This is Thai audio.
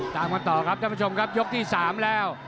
ตามกันต่อครับท่านผู้ชมครับยกที่๓แล้ว